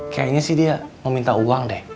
kayaknya dia mau minta uang